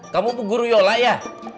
kamu tuh guruyola ya